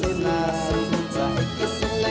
sumpah serapakah kejam jati